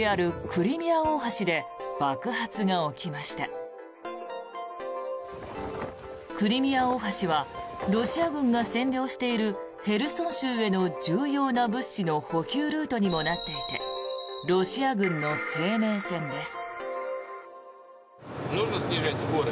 クリミア大橋はロシア軍が占領しているヘルソン州への、重要な物資の補給ルートにもなっていてロシア軍の生命線です。